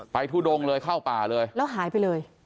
ทุดงเลยเข้าป่าเลยแล้วหายไปเลย